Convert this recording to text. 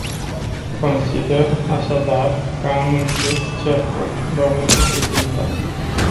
Consider, așadar, că am închis cercul, dnă președintă.